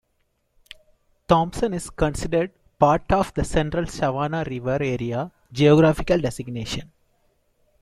Thomson is considered part of the Central Savannah River Area geographical designation.